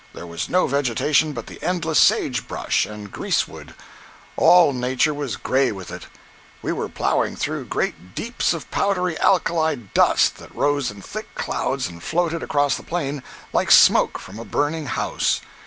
There was no vegetation but the endless sage brush and greasewood. All nature was gray with it. We were plowing through great deeps of powdery alkali dust that rose in thick clouds and floated across the plain like smoke from a burning house.